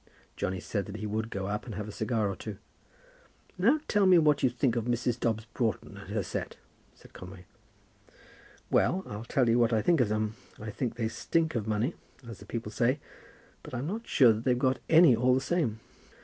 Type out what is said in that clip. Johnny said that he would go up and have a cigar or two. "And now tell me what you think of Mrs. Dobbs Broughton and her set," said Conway. "Well; I'll tell you what I think of them. I think they stink of money, as the people say; but I'm not sure that they've got any all the same."